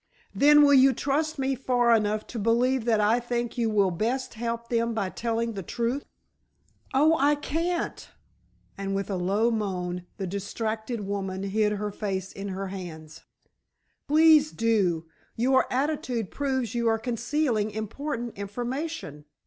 "Then will you trust me far enough to believe that I think you will best help them by telling the truth?" "Oh, I can't!" and with a low moan the distracted woman hid her face in her hands. "Please do; your attitude proves you are concealing important information.